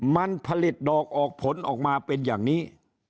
มันผลิตดอกออกผลออกมาเป็นอย่างนี้